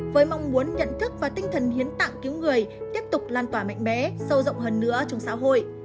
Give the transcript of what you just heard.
với mong muốn nhận thức và tinh thần hiến tạng cứu người tiếp tục lan tỏa mạnh mẽ sâu rộng hơn nữa trong xã hội